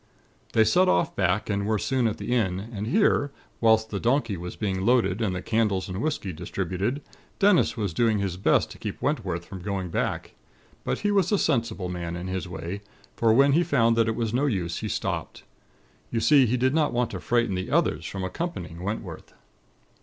"They set off back, and were soon at the inn, and here, whilst the donkey was being loaded, and the candles and whisky distributed, Dennis was doing his best to keep Wentworth from going back; but he was a sensible man in his way, for when he found that it was no use, he stopped. You see, he did not want to frighten the others from accompanying Wentworth.